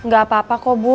gak apa apa kok bu